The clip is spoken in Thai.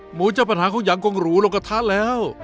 หมูเจ้าปัญหาเขายังกงหรูลงกระทะแล้ว